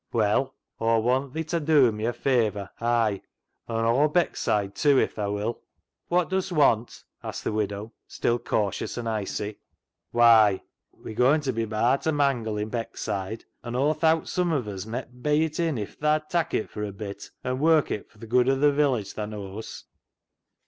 " Well, Aw want thi ta dew me a favour, ay, an' aw Beckside tew, if thaa will." " Wot dust want ?" asked the widow, still cautious and icy. " Why, we're goin' t' be ba'at a mangle i' Beck side, an' Aw thowt sum on us met bey it in if thaa'd tak' it fur a bit, an' work it fur th' good o' th' village, thaa knaws."